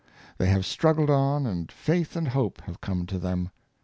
They have struggled on, and faith and hope have come to them.